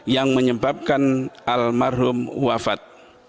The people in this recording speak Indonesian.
dan kami juga menanggung wafat